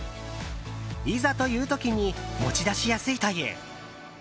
いざという時に持ち出しやすいという。